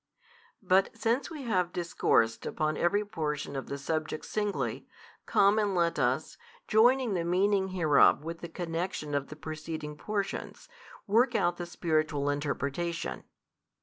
But since we have discoursed on every portion of the subject singly, come and let us, joining the meaning hereof with the connexion of the preceding portions, work out the spiritual interpretation.